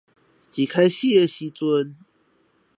一開始的時候